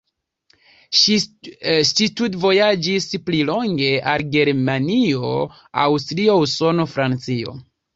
Ŝi studvojaĝis pli longe al Germanio, Aŭstrio, Usono, Francio.